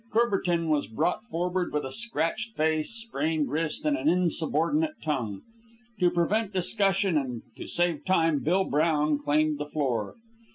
Courbertin was brought forward with a scratched face, sprained wrist, and an insubordinate tongue. To prevent discussion and to save time, Bill Brown claimed the floor.